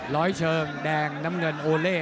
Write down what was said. ร้อยเชิงแดงน้ำเงินโอเล่